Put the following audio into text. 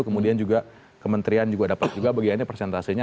kemudian juga kementerian dapat bagiannya presentasinya